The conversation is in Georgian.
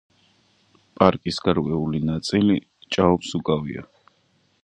პარკის გარკვეული ნაწილი ჭაობს უკავია.